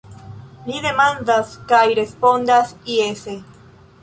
Li demandas – kaj respondas jese.